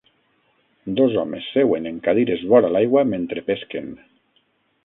Dos homes seuen en cadires vora l'aigua mentre pesquen